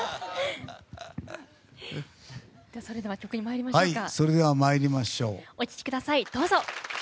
それでは曲に参りましょうか。